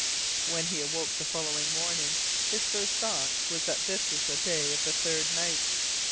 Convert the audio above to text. When he awoke the following morning his first thought was that this was the day of the third night.